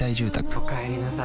おかえりなさい。